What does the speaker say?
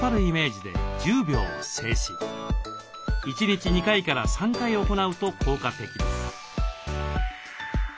１日２回から３回行うと効果的です。